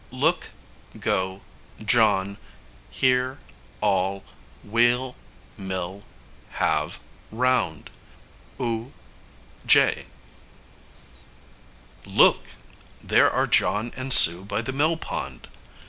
look go John here all wheel mill have round oo j Look! there are John and Sue by the mill pond.